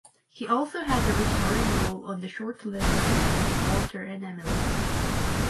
He also had a recurring role on the short-lived sitcom Walter and Emily.